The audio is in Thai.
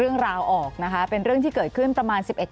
มีประวัติศาสตร์ที่สุดในประวัติศาสตร์